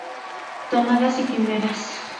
Tonadas y quimeras